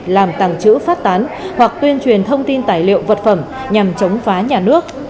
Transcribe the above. làm tàng trữ phát tán hoặc tuyên truyền thông tin tài liệu vật phẩm nhằm chống phá nhà nước